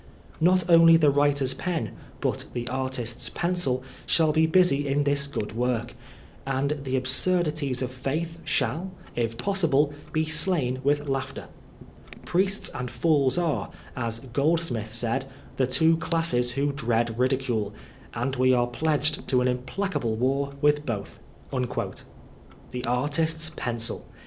Not only the wiiter^s pen, but the artist's pencil, shaU be busy uk this good work ; and the absurdities of faith shall, if possible, be stain with laughter. Priests and fools are, as Groldsmith said, the two classes who dread ridicule, and we are pledged to an implacable war with both." The artist's pencil